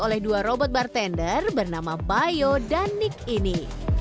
oleh dua robot bartender bernama bayo dan nick ini